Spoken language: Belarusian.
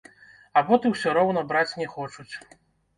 А боты ўсё роўна браць не хочуць.